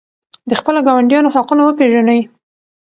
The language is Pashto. د خپلو ګاونډیانو حقونه وپېژنئ.